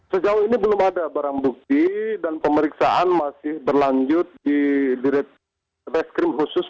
sejauh ini belum ada barang bukti dan pemeriksaan masih berlanjut di direktur reskrim khusus